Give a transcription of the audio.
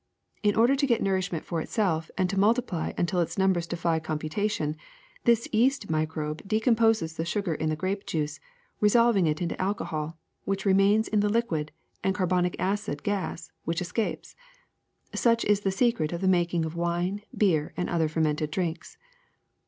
In order to get nourishment for itself and to multiply until its numbers defy computation, this yeast microbe de composes the sugar in the grape juice, resolving it into alcohol, which remains in the liquid, and car bonic acid gas, which escapes. Such is the secret of the making of wine, beer, and other fermented drinks.